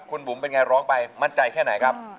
คุณบุ๋มเป็นไงร้องไปมั่นใจแค่ไหนครับ